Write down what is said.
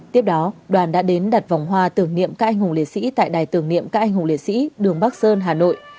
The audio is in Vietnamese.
tiếp đó đoàn đã đến đặt vòng hoa tưởng niệm các anh hùng liệt sĩ tại đài tưởng niệm các anh hùng liệt sĩ đường bắc sơn hà nội